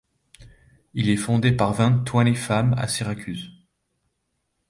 Il est fondé par vingt twenty femmes à Syracuse.